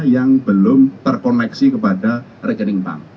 yang belum terkoneksi kepada rekening bank